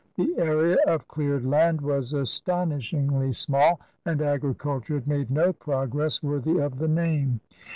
The area of cleared land was astonish ingly small, and agriculture had made no progress worthy of the name.